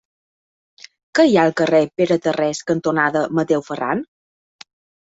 Què hi ha al carrer Pere Tarrés cantonada Mateu Ferran?